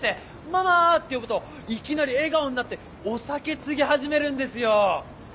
「ママ」って呼ぶといきなり笑顔になってお酒つぎ始めるんですよ！